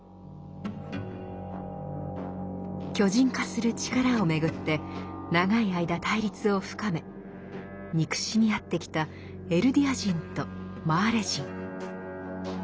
巨人化する力をめぐって長い間対立を深め憎しみ合ってきたエルディア人とマーレ人。